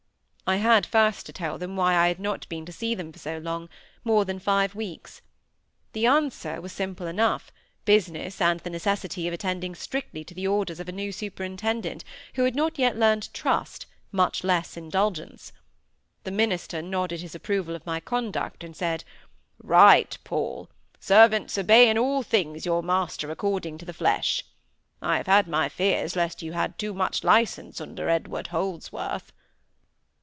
I had first to tell them why I had not been to see them for so long—more than five weeks. The answer was simple enough; business and the necessity of attending strictly to the orders of a new superintendent, who had not yet learned trust, much less indulgence. The minister nodded his approval of my conduct, and said,—"Right, Paul! 'Servants, obey in all things your master according to the flesh.' I have had my fears lest you had too much licence under Edward Holdsworth."